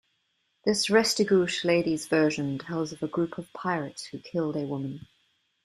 This Restigouche lady's version tells of a group of pirates who killed a woman.